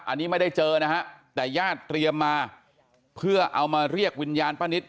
อันนี้ไม่ได้เจอนะฮะแต่ญาติเตรียมมาเพื่อเอามาเรียกวิญญาณป้านิต